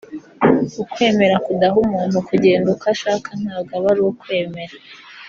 … ukwemera kudaha umuntu kugenda uko ashaka ntabwo aba ari ukwemera